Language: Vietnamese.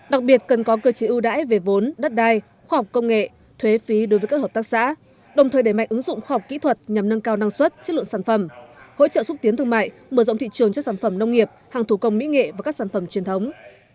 đặc biệt cần có cơ chế ưu đãi về vốn đất đai khoa học công nghệ thuế phí đối với các hợp tác xã đồng thời đẩy mạnh ứng dụng khoa học kỹ thuật nhằm nâng cao năng suất chất lượng sản phẩm hỗ trợ xúc tiến thương mại mở rộng thị trường cho sản phẩm nông nghiệp hàng thủ công mỹ nghệ và các sản phẩm truyền thống